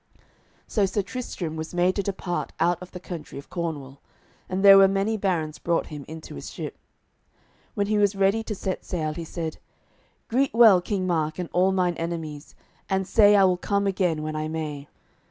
So Sir Tristram was made to depart out of the country of Cornwall, and there were many barons brought him into his ship. When he was ready to set sail he said: "Greet well King Mark and all mine enemies, and say I will come again when I may.